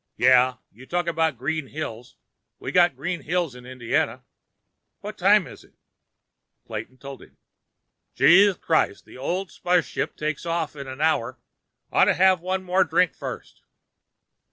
"Yeah. You talk about green hills, we got green hills in Indiana. What time is it?" Clayton told him. "Jeez krise! Ol' spaship takes off in an hour. Ought to have one more drink first."